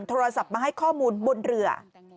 โทรศัพท์มาให้ข้อมูลบนเรือ